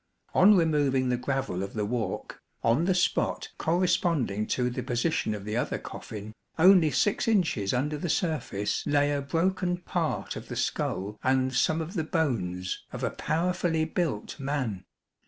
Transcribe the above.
On removing the gravel of the walk, on the spot corres ponding to the position of the other coffin, only 6 inches under the surface lay a broken part of the skull and some of the bones of a powerfully built man.